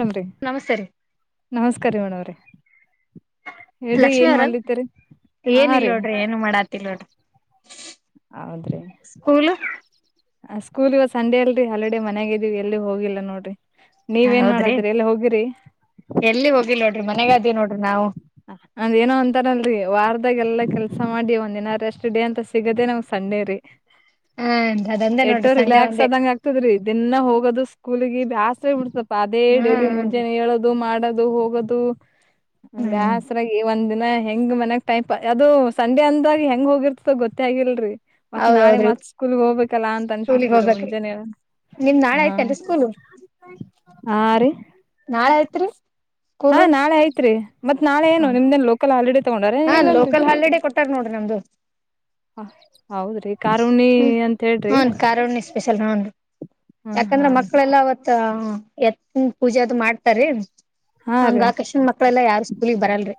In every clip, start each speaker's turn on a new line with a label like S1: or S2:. S1: ರಮ್ರೀ
S2: ನಮಸ್ತೆ ರೀ
S1: ನಮಸ್ಕಾರಿ ಮೇಡಂರಿ.
S2: ಲಕ್ಷ್ಮಿ ಅವರ
S1: ಮಾಡ್ಲಿತಿರಿ
S2: ಏನ
S1: ಹಾ
S2: ಇಲ್ಲ
S1: ರೀ
S2: ನೋಡ್ರಿ ಏನು ಮಾಡತಿಲ್ಲ ನೋಡ್ರಿ
S1: ಹೌದ್ರಿ.
S2: ಸ್ಕೂಲ್
S1: ಸ್ಕೂಲ ಇವ ಸಂಡೆ ಅಲ್ರರಿ ಹಲಡೆ ಮನ್ಯಾಗ ಇದೀವಿ ಎಲ್ಲಿ ಹೋಗಿಲ್ಲ ನೋಡ್ರಿ. ನೀವೇನ್
S2: ಹೌದ್ರಿ
S1: ಮಾಡದ್ರಿ ಎಲ್ಲಿ ಹೋಗಿರಿ
S2: ಎಲ್ಲಿ ಹೋಗಿಲ್ ನೋಡ್ರಿ ಮನೆಗ ಅದೀವಿ ನೋಡ್ರಿ ನಾವು
S1: ಅಂದ ಏನೋ ಅಂತಾರಲ್ರರಿ ವಾರದ ವರದಾಗ ಎಲ್ಲಾ ಕೆಲ್ಸ ಮಾಡಿ ಒಂದ್ ದಿನ ರೆಸ್ಟ್ ಡೇ ಅಂತ ಸಿಗದೆೇ ನಮ್ ಸಂಡೇ ರಿ
S2: ಹ್ಮ್ ಅದಂದೇ ನೋಡ್ರಿ
S1: ಎಟ್ಟೋ
S2: ಸಂಡೆ
S1: ರಿಲ್ಯಾಕ್ಸ್
S2: ಒಂದೇ
S1: ಆದಂಗ ಆಗ್ತದ್ರಿ ದಿನಾ ಹೋಗೋದು ಸ್ಕೂಲಿಗೆ ಬೇಸರ ಆಗಿ ಬಿಡ್ತದ ಅದೇ ಡೈಲಿ
S2: ಹ್ಮ್
S1: ಮುಂಜಾನೆ ಏಳೋದು ಮಾಡದು ಹೋಗೋದು
S2: ಹ್ಮ್
S1: ಬೇಸರಗಿ ಒಂದ ದಿನ ನ ಹೆಂಗ್ ಮನ್ಕ್ ಟೈಮ್ ಅದು ಸಂಡೆ ಅಂದಾಗ ಹೆಂಗ್ ಹೋಗಿರ್ತದ ಗೊತ್ತ ಆಗಿಲ್ರರಿ ಮತ್ತ ನಾಳೆ
S2: ಹೌದೌದ್ರಿ
S1: ಮತ್ ಸ್ಕೂಲ್ಗ್ ಹೋಗ್ಬೇಕಲ್ಲಾ ಅಂತ
S2: ಸ್ಕೂಲಿಗ್
S1: ಅನ್ಸ್ಬಿಡ್ತವ್ರ
S2: ಹೋಗ್ಬೇಕ್ರಿ
S1: ಮುಂಜಾನ
S2: ನಿಮ್ ನಾಳೆ
S1: ಹಾ
S2: ಐತೆೇನ್ರಿ ಸ್ಕೂಲು
S1: ಆ ರೀ
S2: ಹಲ ಆತ್ರಿ
S1: ಹಾ ನಾಳೆ ಐತ್ರಿ ಮತ್ ನಾಳೆ ಏನು ನಿಮ್ದೇನ್ ಲೋಕಲ್ ಹಾಲಿಡೇ ತಗೊಂಡಾರ
S2: ಹಾ
S1: ಇಲ್ಲಲ್ರರಿ
S2: ಲೋಕಲ್ ಹಾಲಿಡೇ ಕೊಟ್ಟಾರ ನೋಡ್ರಿ ನಮ್ದು
S1: ಹಾ ಹೌದ್ರಿ ಕಾರುಣಿವಿ
S2: ಹ್ಮ್
S1: ಅಂತ ಹೇಳ್ರಿ ಹ್ಮ
S2: ಯಾಕಂದ್ರೆ
S1: ಹಾ
S2: ಮಕ್ಕಳೆಲ್ಲ ಅವತ್ತ ಎತ್ತಿನ್ ಪೂಜೆ ಅದು ಮಾಡ್ತಾರೀ
S1: ಹಾ ರೀ
S2: ಹಂಗ ಆಕಶನ್ ಮಕ್ಳೆಲ್ಲಾ ಯಾರ್ ಸ್ಕೂಲಗ್ ಬರಲ್ ಹ್ಮ [inaudible]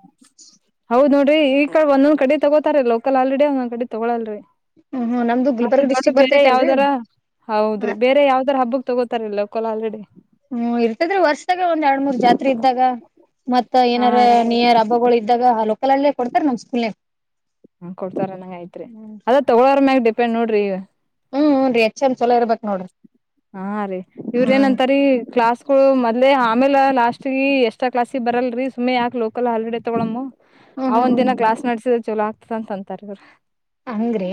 S1: ಹೌದ ನೋಡ್ರಿ ಈ ಕಡೆ ಒಂದೊಂದ್ ಕಡೆ ತಗೋತಾರೆ ಲೋಕಲ್ ಹಾಲಿಡೇ ಒಂದೊಂದ ಕಡೆ ತಗೊಳಲ್ರಿ
S2: ಹ್ಮ್ ಹ್ಮ್ ನಮ್ದು
S1: ಮತ್ತೆ
S2: ಗುಲ್ಬರ್ಗ
S1: ದೊಡ್ಡ
S2: ಡಿಸ್ಟಿಕ್
S1: ಬೇರೆ
S2: ಬರ್ತೈತಲ್ರರಿ
S1: ಯಾವ್ದಾರ ಹೌದ್ರಿ ಬೇರೆ ಯಾವ್ದಾರ ಹಬ್ಬಕ್ ತಗೋತಾರಲ್ಲ ಕೋಲ್ ಹಾಲಿಡೇ
S2: ಹ್ಮ್ ಇರ್ತದ್ರಿ ವರ್ಷದಾಗ ಒಂದ್ ಎರಡ್ ಮೂರ್ ಜಾತ್ರೆ ಇದ್ದಾಗ ಮತ್ತ್
S1: ಹಾ
S2: ಏನರ
S1: ರೀ
S2: ನಿಯರ್ ಹಬ್ಬಗಳು ಇದ್ದಾಗ ಲೋಕಲ್ ಅಲ್ಲೇ ಕೊಡ್ತಾರ ನಮ್ ಸ್ಕೂಲ್
S1: ಹ ಕೊಡ್ತಾರ ನಂಗ ಐತ್ರಿ ಅದ ತಗೋಳರ ಮ್ಯಾಗ ಡಿಪೆಂಡ್ ನೋಡ್ರಿ
S2: ಹ್ಮ ಹುನ್ರಿ ಎಚ್ಚಂದ ಚಲ ಇರ್ಬೇಕ್ ನೋಡ್ರಿ
S1: ಹಾ ರೀ ಇವ್ರ
S2: ಹ್ಮ್
S1: ಏನಂತಾರೀ ಕ್ಲಾಸ್ಗಳು ಮೊದ್ಲೆ ಆಮೇಲೆ ಲಾಸ್ಟ್ ಅ ಎಷ್ಟಾ ಕ್ಲಾಸ್ಗೆ ಬರಲ್ರಿ ಸುಮ್ಮನೆ ಯಾಕಕ್ ಲೋಕಲ್ ಹಾಲಿಡೆ ತೊಗೊಳಮ್ಮ್
S2: ಹ್ಮ್
S1: ಅವ ಒಂದ
S2: ಹ್ಮ್
S1: ದಿನ ಕ್ಲಾಸ್ ನಡಸಿದ ಚಲೋ ಆಗ್ತದ ಅಂತ ಅಂತಾರ ಇವ್ರರು
S2: ಹಂಗ್ರಿ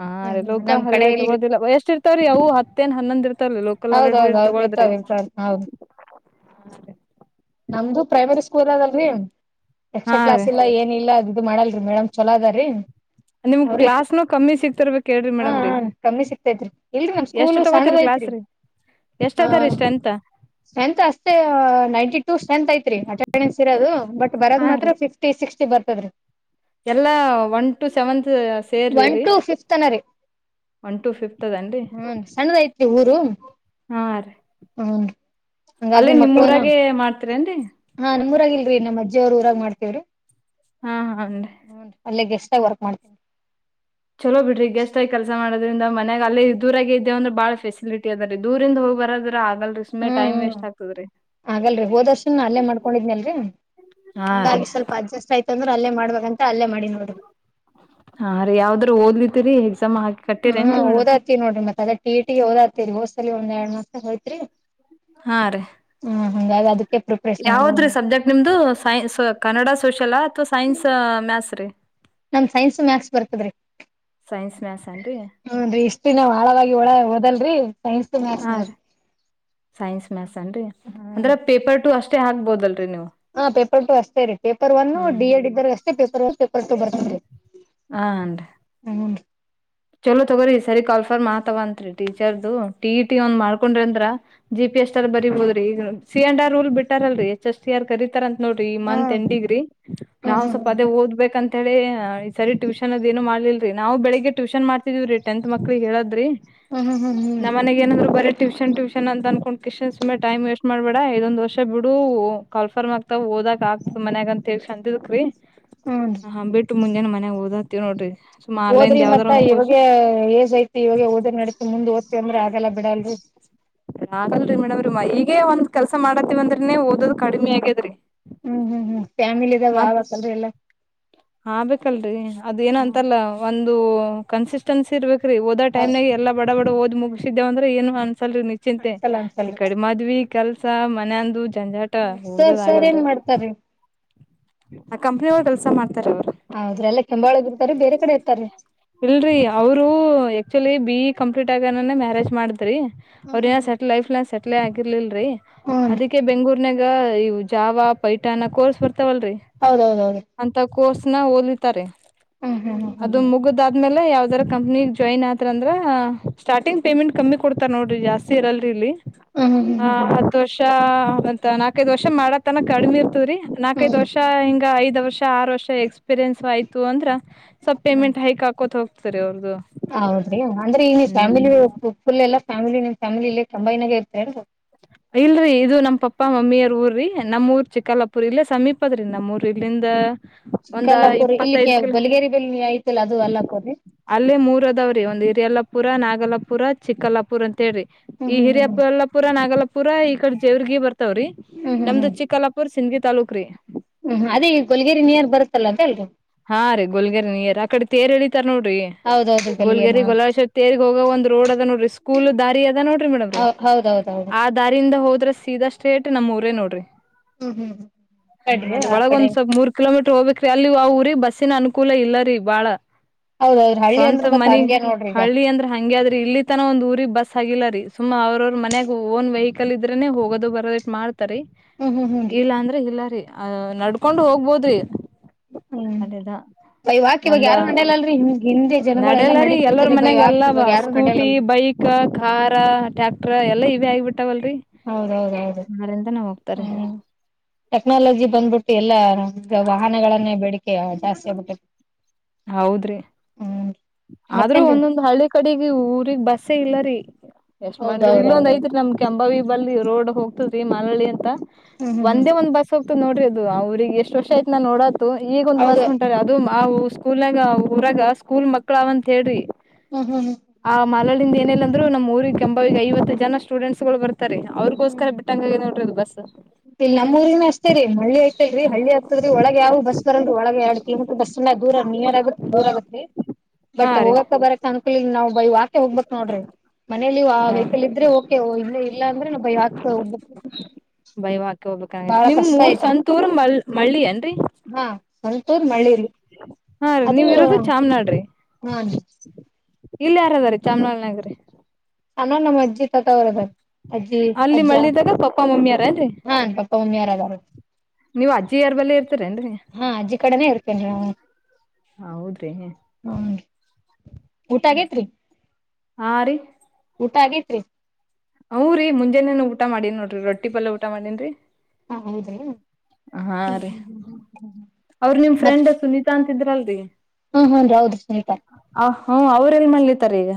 S1: ಹಾ ರ
S2: ಹ್ಮ್ ಹ್ಮ್
S1: ಲೋಕಾ
S2: ನಮ್ ಕಡೆ
S1: ಹಾಲಿಡೇ
S2: ಇಲ್ರಿ
S1: ತಗೋದಿಲ್ಲ ಎಷ್ಟು ಇರ್ತವ್ರೀ ಅವು ಹತ್ತೇನ್ ಹನ್ನೊಂದ ಇರ್ತ ಲ್ಲ ಲೋಕಲ್
S2: ಹೌದೌದ
S1: ಹಾಲಿಡ
S2: ಹೌದು
S1: ತಗೊಳದ್ರೆ
S2: ಇರ್ತಾವ ಇರ್ತಾವ ಹೌದ್ ನಮ್ದು ಪ್ರೈಮರಿ ಸ್ಕೂಲ್ ಅದಲ್ರಿ
S1: ಹಾ
S2: ಎಕ್ಸ್ಟ್ರಾ
S1: ರೀ
S2: ಕ್ಲಾಸ್ ಇಲ್ಲ ಏನ ಇಲ್ಲ ಅದು ಮಾಡ ಮಾಡಲ್ರಿ ಮೇಡಮ್ ಚಲೋ ಅದ ರೀ
S1: ನಿಮ್ ಕ್ಲಾಸ್ನು ಕಮ್ಮಿ ಸಿಗ್ತಿರ್ಬೇಕ ಹೇಳ್ರಿ
S2: ಹಾ
S1: ಮೇಡಮ್ರೀ
S2: ಕಮ್ಮಿ ಸಿಕ್ತೈತ್ರಿ
S1: ಎಷ್ಟ್ ತಗೋತಿರ್ ಕ್ಲಾಸ್ ರೀ ಎಷ್ಟ
S2: ಹ
S1: ಅದರೀ ಸ್ಟ್ರೆಂತ್
S2: ಸಂತ ಅಷ್ಟೇ ನೈಂಟಿ ಟು ಚಂತ ಐತ್ರಿ ಅಟೆಂಡೆನ್ಸ್ ಇರೋದು ಬಟ್ ಬ್ಯಾರದ ಮಾತ್ರ ಫಿಫ್ಟಿ ಸಿಕ್ಸ್ಟಿ ಬರ್ತದೀ
S1: ಎಲ್ಲ ಒನ್ ಟು ಸೆವೆನ್ ಸೇರಿ
S2: ಒನ್
S1: ರೀ
S2: ಟು ಫಿಫ್ತ್ ತನರಿ
S1: ಒನ್ ಟು ಫಿಫತ್ದನ
S2: ಹ್ಮ ಸಣ್ಣದ ಐತ್ರಿ ಊರು ಹ್ಮ ಹಂಗಾಗಿ
S1: ಅಲ್ಲೇ ನಿಮ್
S2: ಮಕ್ಕಳನು
S1: ಊರಾಗೆ ಮಾಡ್ತೀರೇನ್ರಿ
S2: ಹಾ ನಮ್ಊರಾಗಿಲ್ರಿ ನಮ್ಮ್ ಅಜ್ಜಿಯ ಅವರು ಊರ ಮಾಡ್ತವ್ರಿ
S1: ಹಾ ಹಾನ್ರಿ
S2: ಅಲ್ಲೇ ಗೆಸ್ಟ್ ಆಗ ವರ್ಕ್ ಮಾಡ್ತೀವಿ
S1: ಚಲೋ ಬಿಡ್ರಿ ಗೆಸ್ಟ್ ಆಗಿ ಕೆಲಸ ಮಾಡೋದ್ರಿಂದ ಮನ್ಯಾಗ ಅಲ್ಲಿೇ ದೂರಾಗ ಇದೇವುಂದ್ರ ಬಾಳ ಫೆಸಿಲಿಟಿ ಅದ ರೀ ದೂರಿಂದ ಹೋಗಿ ಬರ
S2: ಹ್ಮ್ ಹಾಗಗಲ್ರಿ ಹೋದರ್ಶನ್ ಅಲ್ಲೇ ಮಾಡ್ಕೊಂಡಿದ್ನಲ್ರಿ
S1: ಹಾ ರೀ
S2: ಒಂದಾಗಿ ಸ್ವಲ್ಪ ಅಡ್ಜಸ್ಟ್ ಆಯ್ತಂದ್ರೆ ಅಲ್ಲೇ ಮಾಡ್ಬೇಕಂತ ಅಲ್ಲೇ ಮಾಡಿ ನೋಡ್ರಿ
S1: ಹಾ ರೀ ಯಾವ್ದ್ರೂ ಓದ್ಲತಿರಿ
S2: ಹಾ ಓದಾತತಿ ನೋಡ್ರ ಮತ್ತ ಅದೇ ಟಿಇ ಟಿ ಓದ್ತತಿರಿ ಹೋದ ಸಲಿ ಒಂದ್ರಡ್ ಮಾಸರ ನಗ ಹೋತ್ರಿ
S1: ಹಾ ರೀ
S2: ಹಂಗಾಗಿ ಅದಕ್ಕೆ ಪ್ರಿಪ್ರೇಷನ್ ನಡದದ
S1: ಯಾವದ್ರೀ
S2: ನೋಡ್ರಿ
S1: ಸಬ್ಜೆಕ್ಟ್ ನಿಮ್ದು ಸೈ ಕನ್ನಡ ಸೋಷಲಾ ಅಥವಾ ಸೈನ್ಸ್ ಮ್ಯಾಥಸ್ ರೀ
S2: ನಮ್ಮ ಸೈನ್ಸು ಮ್ಯಾಥಸ್ ಬರ್ತದ್ರೀ
S1: ಸೈನ್ಸ್ ಮ್ಯಾಸ್ ಏನ್ರಿ
S2: ಹನ್ರಿ ಇಷ್ಟ ದಿನ ಆಳವಾಗಿ ಹೊಳ ಓದಲ್ರಿ ಸೈನ್ಸ್ ಮ್ಯಾಥ್ಸ್
S1: ಹಾ ರೀ
S2: ನೋಡ್ರಿ
S1: ಸೈನ್ಸ್ ಮ್ಯಾಥಸ್ ಅನ್ರಿ
S2: ಹ್ಮ್
S1: ಅಂದ್ರ ಪೇಪರ್ ಟು ಅಷ್ಟೇ ಹಾಕಬಹುದಲ್ರಿ
S2: ಹಾ ಪೇಪರ್ ಟು ಅಷ್ಟೇ ರೀ ಪೇಪರ್ ಒನ್
S1: ಹ್ಮ್
S2: ಡಿ ಎಡ್ ಇದ್ದಾಗ ಅಷ್ಟೇ ಪೇಪರ್ ಒನ್ ಪೇಪರ್ ಟು ಬರ್ತೇನ್ ಡ್ರಿ
S1: ಹನ್ ಚಲೋ ತಗೋರಿ ಸರಿ ಕಾಲ್ ಫಾರ್ ಮಾತವಂತ್ರಿ ಟೀಚರ್ದು ಟಿ ಇ ಟಿ ಒಂದ್ ಮಾಡ್ಕೊಂಡ್ರಿ ಅಂದ್ರ ಜಿ ಪಿ ಎಸ್ ಟಿ ರ್ ಬರಿಬೋದ್ರಿ ಈಗ ಸಿ ಅಂಡ್ ಆರ್ ಊಲ್ ಬಿಟ್ಟಾರಲ್ರರಿ ಎಚ್ ಎಸ್ ಟೀ ಆರ್ ಕರಿತ ನೋಡ್ರಿ ಮಂತ್ ಎನ್ ಡಿಗ್ರ
S2: ಹ್ಮ್
S1: ನಾವು ಸ್ವಲ್ಪ ಅದೇ
S2: ಹ್ಮ್
S1: ಓದ್ಬೇಕಂತ ಅಂತೇಳಿ ಈ ಸರಿ ಟ್ಯೂಷನ್ ಅದ ಏನು ಮಾಡ್ಲಲ್ರಿ ನಾವು ಬೆಳಗ್ ಟ್ಯೂಷನ್ ಮಾಡ್ತಿದೀವ್ರೀ ಟೆಂತ್ ಮಕ್ಳಿಗೆ ಹೇಳದ್ರಿ
S2: ಹ್ಮ್ ಹ್ಮ್
S1: ನಮ್ಮ ಮನೆಗೆ ಏನಂದ್ರು ಬರ ಟ್ಯೂಷನ್ ಟ್ಯೂಷನ್ ಅನ್ಕೊಂಡ್ ಕಿಷನ್ ಸುಮ್ಮನೆ ಟೈಮ್ ವೆಸ್ಟ್ ಮಾಡಬೇಡ ದೊಂದ ವರ್ ಬಿಡು ಕಾಲ್ ಫಾರ್ಮ್ಆಗ್ ಓದಕ್ ಆಗ್ತದ ಮನ್ಯಾಗಂತ ಹೇಸಂತದ್ರೀ
S2: ಹ್ಮ್
S1: ಬಿ ಮುಂಜಾನೆ ಮನೆಗ್ ಓದಂತ ಹೆಲ್ರಿ ಸುಮ್ ಆನ್ಲೈನ್ ಯಾವ್ದ್
S2: ಇವಾಗ ಏಜ್ ಐತಿ ಇವಾಗ ಓದ ನಡತಿ ಮುಂದ್ ಓದ್ತಿವಿ ಅಂದ್ರೆ ಅಗಲ್ಲಾ ಬಿಡಲ್ರಿ
S1: ಇಲ್ಲ ರೀ ಮೇಡಮ್ ರೀ ಈಗೇ ಒಂದ್ ಕೆಲ್ಸ ಮಾಡತಿವ ಅಂದ್ರನೇ ಓದೋದು ಕಡಿಮಿ ಆಗ್ಯೇದ್ರೀ
S2: ಹ್ಮ್ ಹ್ಮ್ ಹ್ಮ್ ಫ್ಯಾಮಿಲಿ ಇದಾವ ಆಗಬೇಕಲ್ರಿ ಎಲ್ಲಾ
S1: ಹ ಆಗಬೇಕಲ್ರಿ ಅದ ಏನ ಅಂತಲ್ಲ ಒಂದು ಕನ್ಸಿಸ್ಟೆನ್ಸಿ ಇರ್ಬೇಕು ಓದ
S2: ಹೌ
S1: ಟೈಮನಾಗ ಎಲ್ಲಾ ಬಡಬಡಓದ್ ಮುಗಿಸಿದ್ದಿವಿ ಅಂದ್ರ ಏನು ಅ ಲ್ ನಿಚಿಂತೆ
S2: ಅನ್ಸಲ್ಲ ಅನ್ಸಲ್
S1: ಈ ಕಡಿ ಮದ್ವಿ ಕೆಲ್ಸ ಮನಂದು ಜಂಜಾಟ
S2: ಸರ್
S1: ಓದದ್
S2: ಸರ್ ಏನ್
S1: ಆಗಲ್ರರಿ
S2: ಮಾಡ್ತಾರೀ
S1: ಆ ಕಂಪನಿ ಒಳಗ ಕೆಲಸ ಮಾಡ್ತ
S2: ಹೌದ್ರಿ ಎಲ್ಲ ಕೆಂಬಾಳಗ ಇರ್ತಾರೀ ಬೇರೆ ಕಡೆ ಇರ್ತಾರೀ
S1: ಇಲ್ರಿ ಅವರು ಆಕ್ಚುಲಿ ಬಿ ಇ ಕಂಪ್ಲೀಟ್ ಆಗನೇ ಮ್ಯಾರೇಜ್ ಮಾಡಿದ್ರಿ
S2: ಹ್ಮ್ ಹ್ಮ್
S1: ಅವ್ರಏನ ಸೆಟ್ಲ್
S2: ಹ್ಮ್
S1: ಲೈಫ್ ನ ಸೆಟ್ಲೆ ಆಗಿರ್ಲಿಲ್ಲ
S2: ಹ್ಮ್
S1: ಅದಕ್ಕೆ ಬೆಂಗಗಳೂರ್ನಾಗ ಇ ಜಾವ ಪೈಠಾನ ಕೋರ್ಸ್ ಬರ್ತ ಇತವಲ್ರಿ
S2: ಹೌದೌದೌದು
S1: ಅಂತ ಕೋರ್ಸ್ನ ಓದಿರುತಾರಿ
S2: ಹ್ಮ್ ಹ್ಮ್ ಹ್ಮ್
S1: ಅದು
S2: ಹ್ಮ್
S1: ಮುಗುದಾದ್ಮೇಲೆ ಯಾವದರ ಕಂಪ್ನಿ ಜಾಯಿನ್ ಆದ ಅಂದ್ರ ಸ್ಟಾರ್ಟಿಂಗ್ ಪೇಮೆಂಟ್ ಕಮ್ಮಿ ಕೊಡ್ತಾರ ನೋಡ್ರಿ ಜಾಸ್ತಿ ಇರಲ್ರಿ ಇಲ್ಲಿ
S2: ಹ್ಮ್ ಹ್ಮ್
S1: ಹ
S2: ಹ್ಮ್
S1: ಹತ್ ವರ್ಷ ಅಂತ ನಾಕೈದ ವರ್ಷ ಮಾಡತನ ಕಡಿಮೆ ಇರ್ತವ್ರಿ
S2: ಹ್ಮ್
S1: ನಾಕೈದ್
S2: ಹ್ಮ್
S1: ವರ್ಷ ಹಿಂಗ ಐದ್ ವರ್ಷ ಆರು ವರ್ಷ ಎಕ್ಸ್ಪೀರಿಯನ್ಸ್ ಆಯ್ತು ಅಂದ್ರ ಸ್ವಲ್
S2: ಹ್ಮ್
S1: ಪೇಮೆಂಟ್ ಹೈಕ್ ಹಾಕೋತ್ ಹೋಗ್ತಾರೆರಿ ಅವರ ದ
S2: ಹೌದ್ರಿ ಅಂದ್ರೆ ಈ ನೀ ಫ್ಯಾಮಿಲಿ ಫುಲ್ ಎಲ್ಲಾ ಫ್ಯಾಮಿಲಿ ನಿಮ್ ಫ್ಯಾಮಿಲಿ ಇಲ್ಲಿ ಕೆಂಬಾಯಿನ ಗೆ ಇರುತ್ತದೆ ಏನ್ರಿ
S1: ಇಲ್ರರಿ ಇದು ನಮ್ ಪಪ್ಪಾ ಮಮ್ಮಿಯ ಊರ್ರಿ ನಮ್ಮೂಊರ್ ಚಿಕ್ಕಲ್ಲಾಪುರ್ ಇಲ್ಲೇ ಸಮೀಪದ್ರೀ ನಮ್ಮೂರ್ ಇಲ್ಲಿಂದ ಒಂದ
S2: ಚಿಕ್ಕಲ್ಲಾಪುರ್ ಇಲ್ಲಿಕ್ಕೆ
S1: ಇಪ್ಪತ್ತೈದ್ ಕಿಲೋ
S2: ಗೋಲಗೇರಿ ಬಲ್ಲಿ ಐತೆಲ್ರಿ ಅದು ಅಲ್ಲಾಪುರ್
S1: ಅಲ್ಲೇ ಮೂರ ಅದಾವ್ರೀ ಒಂದ್ ಇರಿ ಅಲ್ಲಾ ಪುರ ನಾ ನಾಗಲ್ಲಾಪುರ ಚಿಕ್ಕಲ್ಲಾಪುರ ಅಂತ ಹೇಳ್ರಿ
S2: ಹ್ಮ್
S1: ಈ
S2: ಹ್ಮ್ ಹ್ಮ್
S1: ಹಿರಿಯಬಲ್ಲಾಪುರ ನಾಗಲ್ಲಾಪುರ ಈ ಕಡೆ ಜೇವರ್ಗಿ ಬರ್ತವ್ರಿ
S2: ಹ್ಮ್ ಹ್ಮ್ ಹ್ಮ್
S1: ನಮ್ದು
S2: ಹ್ಮ್
S1: ಚಿಕ್ಕಲ್ಲಾಪುರ್ ಸಿಂದಗಿ ತಾಲ್ಲೂಕ್ರೀ
S2: ಹ್ಮ್ ಅದೇ ಈಗ ಗೋಲಗೇರಿ ನೀಯರ್ ಬರುತ್ತಲ್ಲ ಅದೇಲ್ರರಿ
S1: ತರ್ ನೋಡರಿ
S2: ಹೌದೌದು ಗಲಗೇರಿ
S1: ಗೋಲಗೇರಿ ಗೊಲ್ಲಾಳೇಶ್ವರ ತೇರಿಗೆ ಹೋಗಗ ಒಂದ್ ರೋಡ್ ಅದ ನೋಡ್ರಿ ಸ್ಕೂಲ್ ದಾರಿ ಅದ ನೋಡ್ರಿ ಮೇಡಂಮ್ರಿ
S2: ಹೌದೌದೌದು
S1: ಆ ದಾರಿಯಿಂದ ಹೋದ್ರ ಸೀದಾಷ್ಟೇಟ್ ನಮಊರೇ ನೋಡ್ರಿ
S2: ಹ್ಮ್ ಹ್ಮ್ ಹ್ಮ್
S1: ಅ
S2: ಕಡ್ರಿ ಆ ಕಡೆ
S1: ಒಳಗೊಂದ ಸ್ವಲ್ಪ ಮೂರ್ ಕಿಲೋಮೀಟರ್ ಹೋಗಬೇಕ್ರಿ ಅಲ್ಲಿಊರ ನಮ್ಮೂರಿಗೆ ಬಸ್ಸಿನ ಅನುಕೂಲ ಇಲ್ಲ ರೀ ಬಾಳ
S2: ಹೌದೌದ್ರಿ ಹಳ್ಳಿ ಅಂದ್ರ
S1: ಸ್ವಂತ
S2: ಮತ್
S1: ಮನಿ
S2: ಹಂಗೆ ನೋಡ್ರಿ ಈಗ
S1: ಹಳ್ಳಿ ಅಂದ್ರ ಹಂಗಗೆ ಆದ್ರಿ ಇಲ್ಲಿ ತನ ಒಂದ್ ಊರಿಗೆಗ್ ಬಸ್ ಆಗಿಲ್ಲ ರೀ ಸುಮ್ಮಾ ಅವ್ರವ್ರ ಮನ್ಯಾಗ ಓನ್ ವೆಹಿಕಲ್ ಇದ್ರೆನೆ ಹೋಗೋದು ಬರದ ಇ ಮಾಡ್ತ ರಿ
S2: ಹ್ಮ್ ಹ್ಮ್ ಹ್ಮ್
S1: ಇಲ್ಲ ಅಂದ್ರ ಇಲ್ಲರಿ ಅ ನಡ್ಕೊಂಡು ಹೋಗ್ಬೋದ್ರಿ
S2: ಹ್ಮ್
S1: ಅದೇದಾ
S2: ಬೈ ವಾಕ್ ಇವಾಗ
S1: ಒಂದ
S2: ಯಾರು ನಡೆಯಲ್ಲಲ್ರಿ ಹಿಂದ್ ಹಿಂದೆ ಜನಗಳೆಲ್ಲಾ
S1: ನಡಲ್ಲ ರೀ ಎಲ್ಲರ
S2: ನಡೀತಿದ್ರಿ ಬೈ
S1: ಮನ್ಯಾಗ
S2: ವಾಕ್
S1: ಎಲ್ಲ
S2: ಇವಾಗ ಯಾರು
S1: ಸ್ಕೂಟಿ
S2: ನಡೆಯಲ್ಲಲ್ರಿ
S1: ಬೈಕ್ ಕ್ಕ ಖಾರ ಟ್ಯಾಕ್ಟರ್ ಎಲ್ಲಾ ಇವೆ ಆಗ ಬಿಟ್ಟಾವಲ್ರಿ
S2: ಹೌದೌದೌದು
S1: ನಾಳೆಯಿಂದ ಹೋಗ್ತಾರ
S2: ಹ್ಮ್ ಟೆಕ್ನಾಲಜಿ ಬಂದ್ಬಿಟ್ಟು ಎಲ್ಲ ವಾಹನಗಳನ್ನೇ ಬೇಡಿಕೆ ಜಾಸ್ತಿ ಆಗ್ಬಿಟ್ಟೈ
S1: ಹೌದ್ರಿ ಆದ್ರೂ
S2: ಮತ್ತೇನ್ರಿ
S1: ಒಂದೊಂದ್ ಹಳ್ಳಿ ಕಡೆಗೆ ಊರಿಗಿ ಬಸ್ಸೇ ಇಲ್ಲ ರೀ ಎಷ್ಟ್ ಮಾಡಿದ್ರ ಇಲ್ಲೊಂದ್
S2: ಹೌದೌದೌದು
S1: ಐತ್ರಿ ನಮ್ ಕೆಂಬಾವಿ ಬಲ್ ರೋಡ್ ಹೋಗತದ್ರೀ ಮಾಲಳ್ಳಿ ಅಂತ
S2: ಹ್ಮ್ ಹ್ಮ್ ಹ್ಮ್
S1: ಒಂದೇ ಒಂದ್ ಬಸ್ ಹೋಗತ ನೋಡಿ ಅದು ಅವ್ರಗ್ ಎಷ್ಟ್ ವರ್ಷ ಆಯ್ತ ನಾ ನೋಡೋದ ಈಗೊಂದ್ ಬಸ್
S2: ಹೌದು
S1: ಉಂಟಾರ ಅದು ಸ್ಕೂಲ್ಗ ರಾಗ ಸ್ಕೂಲ್ ಮಕ್ಳ ಅವ ಅಂತ ಹೇಳ್ರಿ
S2: ಹ್ಮ್ ಹ್ಮ್ ಹ್ಮ್
S1: ಆ ಮಲ್ಲಾಲಿಂದ ಏನಿಲ್ಲ ಅಂದ್ರು ನಮ್ಮ್ ಊರಿಗೆ ಕೆಂಭಾವಿಗಿ ಐವತ್ತು ಜನ ಸ್ಟೂಡೆಂಟ್ಸ್ ಗಳು ಬರ್ತಾರೆ ಅವ್ರಿಗೋಸ್ಕರ ಬಿಟ್ಟಂಗಗೆ ನೋಡ್ರದು ಬಸ್
S2: ಇಲ್ಲ ನಮ್ಮ ಊರಿನ ಅಷ್ಟತೇ ರಿ ಹಳ್ಳಿ ಆಯ್ತರಿ ಹಳ್ಳಿ ಆಗ್ತದ್ರಿ ಒಳಗ್ ಯಾವ ಬಸ್ ಬರಲ್ರಿ ಒಳಗಗೆ ಎರಡ ನಿಮ ಬಸ್ ದೂರ ನಿಯರ್ ಆಗತ್ ದೂರ ಆಗತ್ರಿ
S1: ಹಾ
S2: ಬಟ್
S1: ರೀ
S2: ಹೋಗಕ ಬರಕ್ ಅನ್ಕಲ್ ನಾವು ಬಯ ಆಕೆ ಹೋಗ್ಬೇಕೇಕ್ ನೋಡ್ರಿ ಮನೇಲಿ ಆ ವೆಹಕಲ್ ಇದ್ರೆ ಓಕೆ ಇ ಇಲ್ಲ ಅಂದ್ರೆ ನಬ ಯಾಕ ಒಬ
S1: ಹೋಗ್ಬೇಕಂಗ ನಿಮ್ ಊರ್ ಸವಂತೂರ್ ಮ ಮಳ್ಳಿ ಅನ್ರಿ
S2: ಹಾ ಸ್ವಂತ ಊರು ಮಳ್ಳಿ
S1: ಹಾ ರೀ ನೀವ್ ಇರೋದು ಚಾಮ್ನಾಳ
S2: ಹಾ
S1: ಇಲ್ಲಿ ಯಾರದಾರೀ ಚಾಮಲ್ ನಗರಿ
S2: ಅಣ್ಣ ನಮ್ಮ ಅಜ್ಜಿ ತತಾವರದ ಅಜ್ಜಿ
S1: ಅಲ್ಲಿ
S2: ಅಜ್ಜ
S1: ಮಳ್ಳಿದಾಗ ಪಪ್ಪಾ ಮಮ್ಮಿಯಾರೇನ್ರಿ
S2: ಹಾ ಅ ಪಾಪ ಮಾಮಿ ಯಾರದಾರ
S1: ನೀವ್ ಅಜ್ಜಿಯಾರ್ ಬಲ್ಲೆ ಇರ್ತರೇನ್ರಿ
S2: ಹಾ ಅಜ್ಜಿ ಕಡೆನೇ ಇರ್ತ ಕೆ
S1: ಹ ಹೌದ್ರಿ
S2: ಊಟ
S1: ಹ್ಮ ಹ್ಮ
S2: ಆಗೇತ್ರಿ
S1: ಆರಿ
S2: ಊಟ ಆಗೇತ್ರಿ
S1: ಹ್ ರರಿ ಮುಂಜಾನೇನು ಊಟ ಮಾಡೀನ್ ನೋಡ್ರಿ ರೊಿ ಪಲ್ಯ ಊಟ ಮಾಡೀನ್ರರಿ
S2: ಹೌದ
S1: ಹಾ ರೀ ಅವ್ರ ನಿಮ್
S2: ಮತ್
S1: ಫ್ರೆಂಡ್ ಸುನೀತಾ ಅಂತಿದ್ರಲ್ರಿ
S2: ಹ್ಮ್ ಹ್ಮ್ ಹೌದ್ರಿ ಸುನೀತಾ
S1: ಅ ಹ್ಮ ಅವ್ರ ಎಲ್ ಮಾಡಲಿತಾರ ಈಗ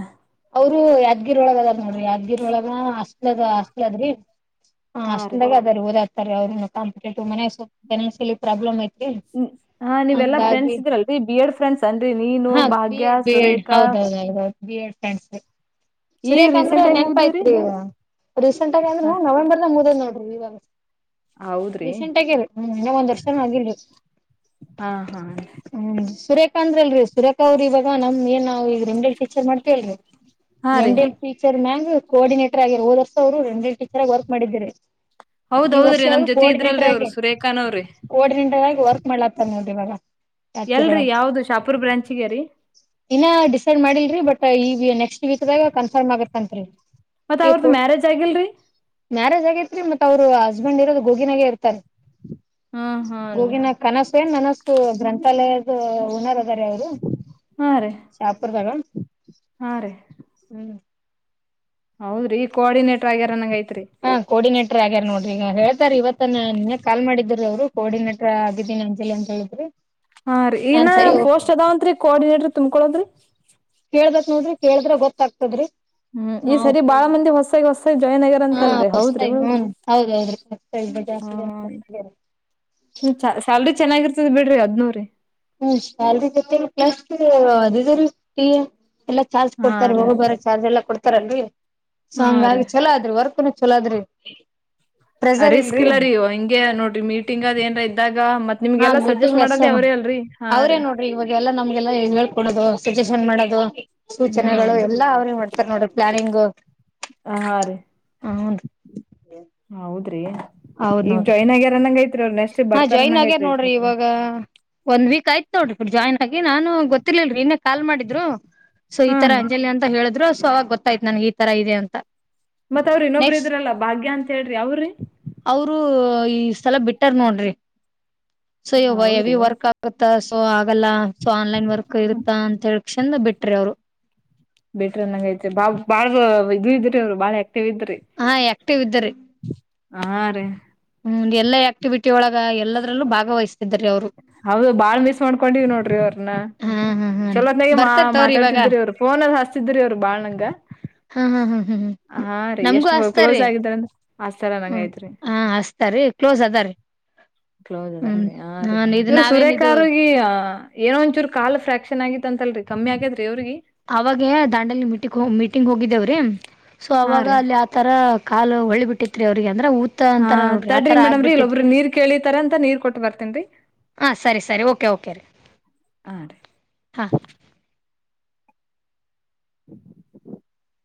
S2: ಅವರು ಯಾದ್ಗಿರ ಒಳಗ ಅದ ನೋಡ್ರಿ ಯಾದ್ಗಿರಿ ಒಳಗ ಹಾಸ್ಟೆಲ್ ಅದ ಹಾಸ್ಟಲ ಅದ್ರಿ ಹ
S1: ಹಾ ರೀ
S2: ಅಷ್ಟ್ದಾಗ ಅದ್ರ ಓದಾಗಾತಾರೆ ಅವ್ರರುನ್ನು ಕಾಂಪ್ಟೇಟಿವ್ ಮನೆ ಫನ್ಸಿಯಲಿ ಪ್ರಾಬ್ಲಮ್ ಐತ
S1: ಹ ನೀವೆಲ್ಲಾ ಫ್ರೆಂಡ್ಸ್ ಇದ್ರಲ್ರರಿ ಬಿ ಎಡ್ ಫ್ರೆಂಡ್ಸ್ ಅನ್ರರಿ ನೀನು
S2: ಹಾ B
S1: Bhagya
S2: Ed B Ed
S1: Surekha
S2: B Ed friend
S1: ಈಗ
S2: ಸುರೇಕ್ ಅಂದ್ರೆ
S1: ರೀಸೆಂಟ್ ಆಗಿ
S2: ನೆನಪ
S1: ಮುಗ್ದವ್ರಿ
S2: ಐತ್ರಿ ರೀಸೆಂಟ್ ಆಗ ಅಂದ್ರೆ ಹ ನವೆಂಬರ್ ಮುಗುದಾದ ನೋಡ್ರಿ ವ
S1: ಹೌದ್ರಿ
S2: ರಸೆಂಟ್ ಆಗಿ ಇನ್ನ ಒಂದ್ ವರ್ಷನ್ ಆಗಿರ್ಲಿ
S1: ಹಾ ಹಾ
S2: ಹ್ಮ ಸುರೇಖ ಅಂದ್ರಲ್ರರಿ ಸುರೇಖ ಅವ್ರರಿ ಇವಾಗ ನಮ ಏನ್ ನಾವ್ ಈಗ ರೆಮಿಡಲ್ ಟೀಚರ್ ಮಾಡ್ತೇಲ್ರರಿ
S1: ಹಾ ರೀ
S2: ರೆಂಡೇಳ್ ಟೀಚರ್ ಮ್ಯಾಗ ಕೋಆರ್ಡೇಟರ್ ಆಗಿರ್ ಹೋದರ್ಸ ಅವರುಡ್ ಎಳ್ ಟೀಚರ್ ಆಗ ವರ್ಕ್ ಮಾಡಿದ್ರಿ ಈ
S1: ಹೌದೌದ್ರಿ ನಮ್
S2: ವರ್ಷವರು
S1: ಜೊತೆ ಇದ್ರಲ್ರಿ
S2: ಕೋಆರ್ಡಿನೇಟರ್
S1: ಅವ್ರು
S2: ಆಗ
S1: ಸುರೇಖಾನವ್ರಿ
S2: ಕೋರ್ಡಿನೇಟರ್ ಆಗಿ ವರ್ಕ್ ಮಾಡ್ಲಾತ್ತ ನೋ ಇವಾಗ
S1: ಎಲ್ರರಿ
S2: ಯಾದಗಿರೊಳಗ
S1: ಯಾವ್ದ ಶಾಪುರ್ ಬ್ರಾಂಚಗ ರೀ
S2: ಇನ್ನ ಡಿಸೈಡ್ ಮಾಡಿಲ್ರರಿ ಬಟ್ ಈ ನೆಕ್ಸ್ಟ್ ವೀಕ್ದಾಗ ಕನ್ಫರ್ಮ್ ಆಗತ್ತತ್ರಿ
S1: ಮತ್ತ ಅವ್ರದ ಮ್ಯಾರೇಜ್ ಆಗಿಲ್ರರಿ
S2: ಮ್ಯಾರೇಜ್ ಆಗೇತ್ರಿ ಮತ್ ಅವರು ಹಸ್ಬೆಂಡ್ ಇರೋದು ಗೋಗಿನಾಗೆ ಇರ್ತಾರೆ
S1: ಹ್ಮ್ ಹೂನ್ರಿ
S2: ಗೂಗಿನ ಕನಸು ಏನ್ ನನಸ್ ಗ್ರಂಥಾಲಯದ ಹುನರ್ ಅವರು
S1: ಹಾ ರೀ
S2: ಶಾಪುರ್ದಾಗ
S1: ಹಾ ರೀ
S2: ಹ್ಮ್
S1: ಹೌದ್ರ ಈ ಕೋರ್ಡೇಟರ್ ಆಗ್ಯಾರ ನಂಗ ಐತಿ
S2: ಹಾ ಕೋರ್ಡಿನೇಟರ್ ಆಗ್ಯಾರ ನೋಡ್ರಿ ಈಗ ಹೇಳ್ತಾರ ಇವತ್ತನ ನಿನ್ ಕಾಲ್ ಮಾಡಿದ್ರ ಅವ್ರು ಕೋರ್ಡಿನೇಟರ್ ಆಗಿದ್ದೀನಿ ಅಂಜಲಿ ಅಂತ ಹೇಳಿದ್ರಿ
S1: ಹಾ ರೀ ಈನ
S2: ನಾನ್ ಸರಿ ಓಕೆ
S1: ಪೋಸ್ಟ್ ಅದಾವಂತ್ರಿ ಕೋಆರ್ಡಿನೇಟ್ರ ತುಂಬ್ಕೊಳದ್ರಿ
S2: ಕೇಳ ಬೇಕ್ ನೋಡ್ರಿ ಕೇಳದ್ರ ಗೊತ್ತಾಗ್ತದ್ರಿ
S1: ಹ್ಮ್ ಈ
S2: ನಾವು
S1: ಸರಿ ಬಾಳ
S2: ಕೇಳಿವಿ
S1: ಮಂದಿ ಹೊಸಾಗಿ ಹೊಸಾಗಿ ಜಾಯ್ನ್ ಆಗ್ಯಾರ
S2: ಹಾ
S1: ಅಂತಲ್ರಿ ಹೌದ್ರಿ
S2: ಹೊಸತಾಗಿ
S1: ಮೇಡಮ್ರಿ
S2: ನನ್ ಹೌದೌದ್ರ [unintelligible]
S1: ಚ ಸ್ಯಾಲ್ರಿ ಚೆನ್ನಾಗಿರ್ತದ ಬಿಡ್ರಿ ಹದ್ನೂರಿ
S2: ಹ್ಮ್ ಶಾಲದೊತೆ ಪ್ಲಸ್ ಅದ ಇದು ರೀ ಎಲ್ಲಾ ಚಾರ್ಜ್
S1: ಹಾ
S2: ಕೊಡ್ತಾರೆ
S1: ರೀ
S2: ಹೋಗ ಬರೋ ಚಾರ್ಜ್ ಎಲ್ಲಾ ಕೊಡ್ತಾರಲ್ರಿ ಸೊ
S1: ಹಾ ರೀ
S2: ಹಂಗಾಗಿ ಚಲೋ ಆದ್ರಿ ವರ್ಕ್ ಚಲಾದ್ರೀ
S1: ಅ ರಿಸ್ಕ್ ಇಲ್ಲ ರೀವು ಹಂಗೆ ನೋಡ್ರಿ ಮೀಟಿಂಗ್ ಅದ ಏನ್ರ ಇದ್ದಾಗ ಮತ್
S2: ಹಾ
S1: ನಿಮ್ಗೆಲ್ಲಾ ಸಜೆಸ್ಟ್
S2: ಮೀಟಿಂಗ್ ಎಷ್ಟೇ
S1: ಮಾಡೋದೇ ಅವ್ರೇ ಅಲ್ರರಿ ಹಾ ರೀ
S2: ಅವ್ರೇನ್ ನೋಡ್ರಿ ಇವಾಗ ಎಲ್ಲಾ ನಮ್ಗೆಲ್ಲ ಹೇಳ್ಕೊಡೋದು ಸಜಷನ್ ಮಾಡೋದು ಸೂಚನೆಗಳು
S1: ಹ್ಮ್
S2: ಎಲ್ಲಾ ಅವ್ರಿಗೆ ಮಾಡ್ತಾರೆ ನೋಡ್ರಿ ಪ್ಲಾನಿಂಗ್
S1: ಹಾ ರೀ
S2: ಹೌನ್
S1: ಹೌದ್ರಿ
S2: ಹೌದ್
S1: ಈಗ
S2: ನೋಡ್ರಿ
S1: ಜಾಯ್ನ್ ಆಗ್ಯಾರ ಅನ್ನಂಗ ಐತ್ರಿ ಅವರು ನೆಕ್ಸ್ಟ್ ಬರ್ತಾರ ಅನ್ನಂಗ ಐತ್ರಿ
S2: ಒಂದ ವೀಕ್ ಆಯ್ತೋಡ್ರ ಜಾಯನ್ ಹಾಗೆ ನಾನು ಗೊತ್ತಿರ್ಲಲ್ರರಿ ಇನ್ನೆ ಕಾಲ್ ಮಾಡಿದ್ರು ಸೊ ಈ
S1: ಹಾ
S2: ತರ
S1: ರೀ
S2: ಅಂಜಲಿ ಅಂತ ಹೇಳಿದ್ರು ಸೊ ಅವಾಗ ಗೊತ್ತ ಆಯ್ತತ್ ನನ್ಗೆ ಈ ತರ ಇದೆ ಅಂತ
S1: ಮತ್ ಅವ್ರ ಇನ್ನೊಬ್ರ
S2: ನೆಕ್ಸ್ಟ್
S1: ಇದ್ರಲ್ಲ ಭಾಗ್ಯ ಅಂತ ಹೇಳ್ರಿ ಅವ್ರಿ
S2: ಈ ಸ್ಲ ಬಿಟ್ಟಾರ್ ನೋಡ್ರಿ ಸೊಯ ಎವಿ
S1: ಹೌದ್ರಿ
S2: ವರ್ಕ್ ಆಗುತ್ತ ಸೊ ಆಗಲ್ಲ ಸೊ ಆನ್ಲೈನ್ ವರ್ಕ್ ಇರುತ್ತ ಅಂತ ಹೇಳ ಚಂದ ಬಿಟ್ರಿ ಅವ್ರು
S1: ಬೇಟ್ರ ನಂಗ ಐತೆ ಬಾ ಬಾಳ ಇದ್ ಇದ್ರ ಅವ್ರು ಬಾಳ ಯ
S2: ಹಾ ಯಾಕ್ಟೇವ್ ಇದ್ದರಿ
S1: ಹಾ ರೀ
S2: ಹ್ಮ ಎಲ್ಲ ಆಕ್ಟಿವಿಟಿ ಒಳಗೆ ಎಲ್ಲದ್ರಲ್ಲೂ ಭಾಗವಹಿಸ್ತಿದ ರ ಅವ್ರು
S1: ಹೌದು ಬಾಳ್ ಮಿಸ್ ಮಾಡ್ಕೊಂಡಿವ್ ನೋಡ್ರಿ ಅವ್ರನ್ನ
S2: ಹಾ ಹಾ ಹಾನ್ರಿ
S1: ಚಲೋದನೆ ಮಾ
S2: ಬರ್ತಾರ್ ತವ್ರಿ ಇವಾಗ
S1: ಮಾತಾಡ್ತಿದ್ರಿ ಅವ್ರು ಫೋನ ಅದು ಹಚ್ಚತಿ ದ್ರಿ ಅವ್ರು ಬಾಳ್ನಂಗ
S2: ಹಾ ಹಾ ಹಾ ಹಾ ಹ್ಮ
S1: ಹಾ ರೀ ಎಷ್ಟು ಕ್ಲೋಸ್ ಆಗಿದಾರಂದ್ರ ಆತರ
S2: ಹ್ಮ್
S1: ನಂಗೈತ್ರಿ
S2: ಹಾ ಹಸ್ತಾರೀ ಕ್ಲೋಸ್ ಅದಾರೀ
S1: ಕ್ಲೋಸ್ ಅದ
S2: ಹ್ಮ್
S1: ಹ ರೀ
S2: ಹಾ ಇದು
S1: ಇವ ಸುರ
S2: ನಾವೇನ್ ಇದು
S1: ಕಾರುಗ ಏನೋ ಒಂಚೂರು ಕಾಲ್ ಫ್ರಾಕ್ಷನ್ ಆಗಿತ್ತ ಅಂತಲ್ರಿ ಕಮ್ಮಿ ಆಗೇತ್ರಿ
S2: ಅವಾಗ ದಾಂಡಲ್ ಮೀಟಿ ಮೀಟಿಂಗ್ ಹೋಗಿದ್ದೇವ್ರಿ ಸೊ
S1: ಹಾ
S2: ಅವಾಗ
S1: ರೀ
S2: ಅಲ್ಲಿ ಆತರ ಕಾಲು ಹೊಳಿ ಬಿಟ್ಟಿತ್ರಿ ಅವ್ರಿಗೆ ಅಂದ್ರ ಊತ ಅಂತಾರ
S1: ಹ
S2: ನೋಡ್ರಿ
S1: ತಡ್ರಿ
S2: ಆತರ
S1: ಮೇಡಮ್ರರಿ ಇಲ್ಲೊಬ್ರ
S2: ಆಗ್ಬಿಟ್ಟಿತ್ರಿ
S1: ನೀರ್ ಕೇಳಿತಾರ ಅಂತ ನೀರ್ ಕೊಟ್ಟ ಬರ್ತನ್ರಿ
S2: ಹ ಸರಿ ಸರಿ ಓಕೆ ಓಕೆ ರ
S1: ಹ ರೀ [unintelligible]